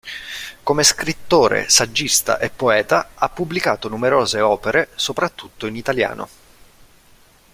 Come scrittore, saggista e poeta ha pubblicato numerose opere soprattutto in italiano.